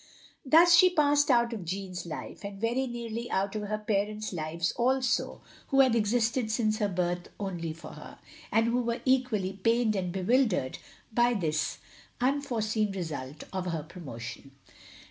Thus she passed out of Jeanne's life, and very nearly out of her parents' lives also, who had existed since her birth only for her; and who were equally pained and bewildered by this unforeseen result of her promotion.